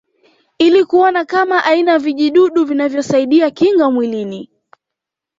Ili kuona kama aina ya vijidudu vinavyosaidia kinga mwilini